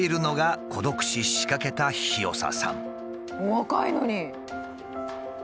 お若いのに。